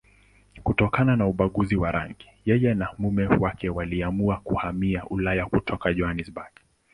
Kutokana na ubaguzi wa rangi, yeye na mume wake waliamua kuhamia Ulaya kutoka Johannesburg.